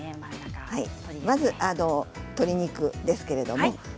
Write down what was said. まず鶏肉ですけれども。